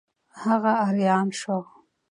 هغه آریان شو.